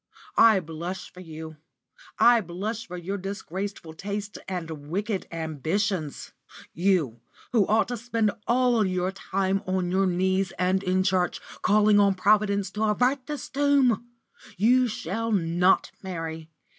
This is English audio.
I blush for you; I blush for your disgraceful tastes and wicked ambitions. You, who ought to spend all your time on your knees and in church, calling on Providence to avert this doom! You shall not marry.